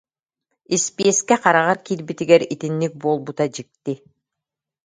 Испиэскэ хараҕар киирбитигэр итинник буолбута дьикти